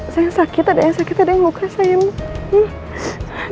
sayang sakit ada yang sakit ada yang buka sayang